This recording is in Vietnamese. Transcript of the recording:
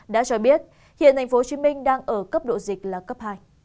đã cho biết hiện tp hcm đang ở cấp độ dịch là cấp hai